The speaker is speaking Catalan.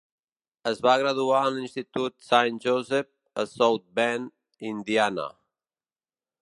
Es va graduar de l'institut Saint Joseph a South Bend (Indiana).